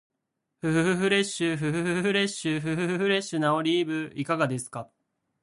ふふふフレッシュ、ふふふフレッシュ、ふふふフレッシュなオリーブいかがですか？